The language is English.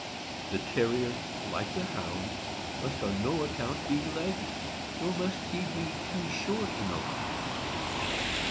The Terrier, like the Hound, must on no account be leggy, nor mustt he be too short in the leg.